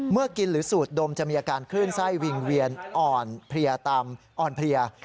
เมื่อกินหรือสูดดมจะมีอาการคลื่นไส้วิ่งเวียนอ่อนเพลียตามอ่อนเพลีย